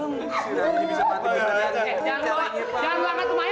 nggak apa sih